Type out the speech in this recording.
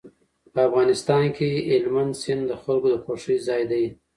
په افغانستان کې هلمند سیند د خلکو د خوښې ځای دی.